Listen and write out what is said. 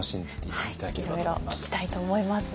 いろいろ聞きたいと思います。